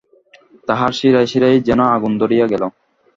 তাহার শিরায় শিরায় যেন আগুন ধরিয়া গেল।